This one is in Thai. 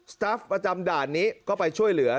ตาฟประจำด่านนี้ก็ไปช่วยเหลือ